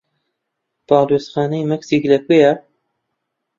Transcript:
باڵیۆزخانەی مەکسیک لەکوێیە؟